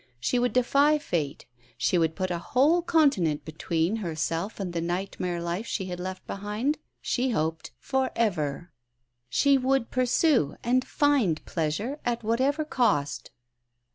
She would defy fate; she would put a whole continent between herself and the nightmare life she had left behind, she hoped for ever. She would pursue and find pleasure at whatever cost.